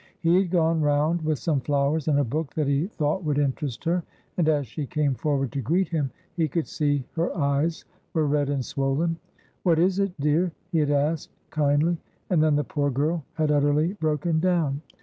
He had gone round with some flowers and a book that he thought would interest her, and as she came forward to greet him, he could see her eyes were red and swollen. "What is it, dear?" he had asked, kindly, and then the poor girl had utterly broken down.